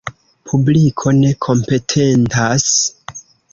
Publiko ne kompetentas.